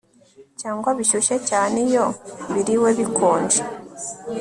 cyangwa bishyushye cyane Iyo biriwe bikonje